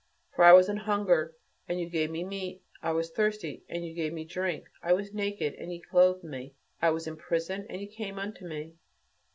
For I was an hungered, and ye gave me meat: I was thirsty and ye gave me drink ... I was naked and ye clothed me.... I was in prison, and ye came unto me."